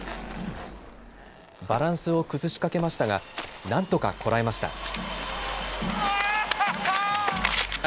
バランスを崩しかけましたがなんとか、こらえました。